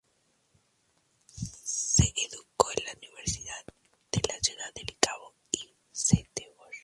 Se educó en las universidades de Ciudad del Cabo y de Stellenbosch.